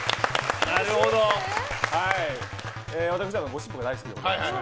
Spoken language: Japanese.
私、ゴシップが大好きでございまして。